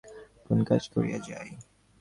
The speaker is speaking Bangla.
সকলেই যথানির্দিষ্টমতে আপন আপন কাজ করিয়া যায়।